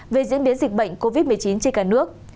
về diễn biến dịch bệnh covid một mươi chín trên cả nước